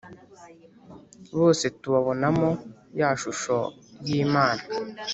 bose tubabonamo ya “shusho y’imana